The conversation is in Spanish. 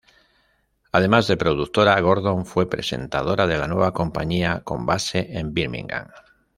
Además de productora, Gordon fue presentadora de la nueva compañía con base en Birmingham.